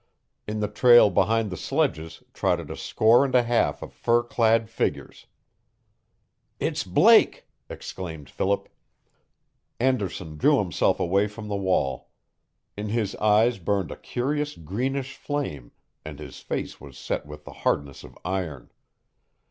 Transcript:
In the trail behind the sledges trotted a score and a half of fur clad figures. "It's Blake!" exclaimed Philip. Anderson drew himself away from the wall. In his eyes burned a curious greenish flame, and his face was set with the hardness of iron.